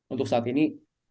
untuk saat ini